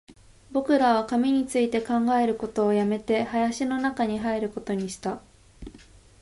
僕らは紙について考えることを止めて、林の中に入ることにした